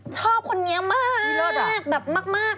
ชอบคนนี้มากแบบมาก